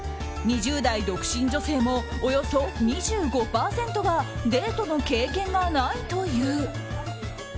２０代独身女性のおよそ２５％がデートの経験がないという。